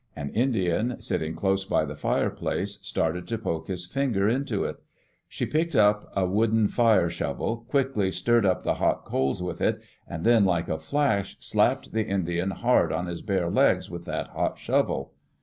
An Indian, sitting close by the fireplace, started to poke his finger into it. She picked up a wooden fire shovel, quickly stirred up the hot coals with it, and then like a flash slapped the Indian hard on his bare legs with that hot shovel.